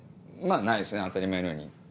ないですね当たり前のように。